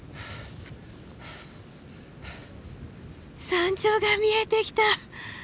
山頂が見えてきた！